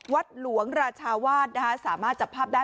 วัดหลวงราชาวาสสามารถจับภาพได้